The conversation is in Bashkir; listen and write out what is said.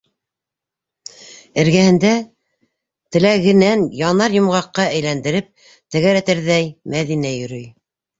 Эргәһендә теләгенән янар йомғаҡҡа әйләндереп тәгәрәтерҙәй Мәҙинә йөрөй.